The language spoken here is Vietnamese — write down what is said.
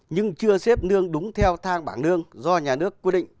nhưng chưa xếp nương đúng theo thang bảng lương do nhà nước quy định